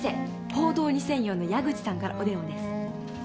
『報道２００４』の矢口さんからお電話です。